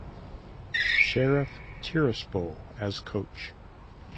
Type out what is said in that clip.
Sheriff Tiraspol (as coach)